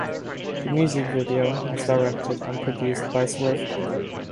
The music video was directed and produced by Swift.